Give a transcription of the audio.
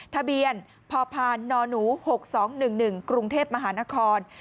ทะเบียนพพนหนู๖๒๑๑กรุงเทพมหานคร